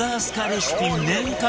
レシピ年間